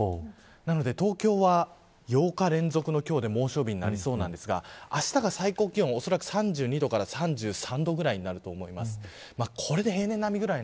なので東京は８日連続の今日で猛暑日になりそうなんですがあしたが最高気温おそらく３２度から３５度ぐらいになると思います。